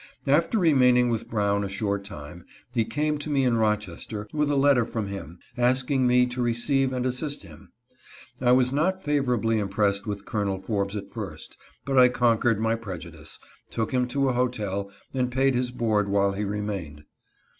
After remaining with Brown a short time, he came to me in Rochester, with a letter from him, asking me to receive and assist him. I was not favorably impressed with Colonel Forbes at first, but I " conquered my prejudice," took him to a hotel and paid his board while he remained.